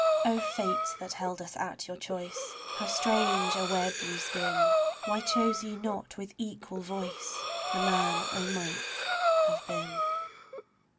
O Fates that held us at your choice, How strange a web ye spin I Why chose ye not with equal voice The man I might have been.